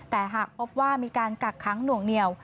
แต่หากพบว่ามีการกักค้างหน่วงเหนียว